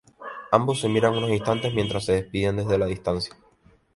Ambos se miran unos instantes mientras se despiden desde la distancia.